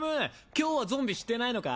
今日はゾンビしてないのか？